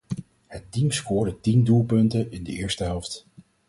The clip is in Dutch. Het team scoorde tien doelpunten in de eerste helft.